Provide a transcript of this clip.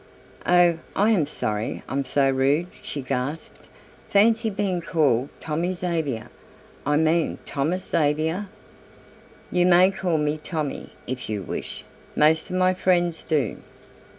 "Oh, I am sorry I'm so rude," she gasped. "Fancy being called Tommy Xavier I mean Thomas Xavier." "You may call me Tommy if you wish most of my friends do."